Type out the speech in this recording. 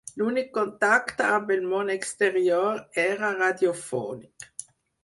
L'únic contacte amb el món exterior era radiofònic.